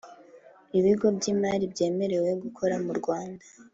Ibigo by imari byemerewe gukora mu rwanda